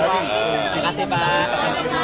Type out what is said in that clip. terima kasih pak